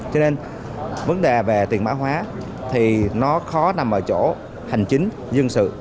cho nên vấn đề về tiền mã hóa thì nó khó nằm ở chỗ hành chính dân sự